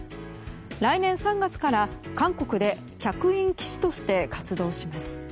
来年３月から韓国で客員棋士として活動します。